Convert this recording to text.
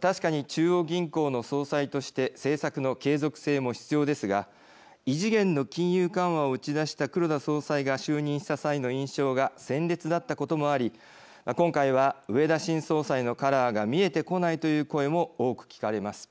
確かに中央銀行の総裁として政策の継続性も必要ですが異次元の金融緩和を打ち出した黒田総裁が就任した際の印象が鮮烈だったこともあり今回は植田新総裁のカラーが見えてこないという声も多く聞かれます。